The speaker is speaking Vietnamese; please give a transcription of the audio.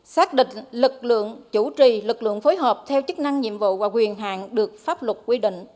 xác định lực lượng chủ trì lực lượng phối hợp theo chức năng nhiệm vụ và quyền hạn được pháp luật quy định